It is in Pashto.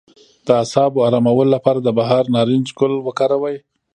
د اعصابو ارامولو لپاره د بهار نارنج ګل وکاروئ